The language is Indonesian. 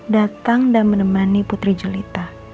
datang dan menemani putri jelita